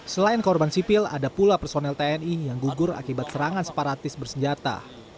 selain korban sipil ada pula personel tni yang gugur akibat serangan separatis bersenjata